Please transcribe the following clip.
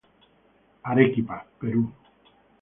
Arequipa, Perú.